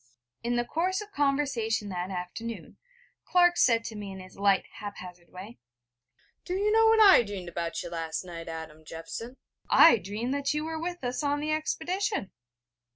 In the course of conversation that afternoon, Clark said to me in his light hap hazard way: 'Do you know what I dreamed about you last night, Adam Jeffson? I dreamed that you were with us on the expedition.'